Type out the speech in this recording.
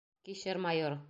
Кишер майор!